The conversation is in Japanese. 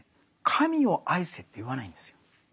神を愛せと言わないんですよ。